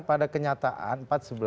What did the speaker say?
pada kenyataan empat sebelas